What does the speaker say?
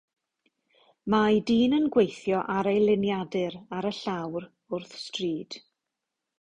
Mae dyn yn gweithio ar ei liniadur ar y llawr wrth stryd.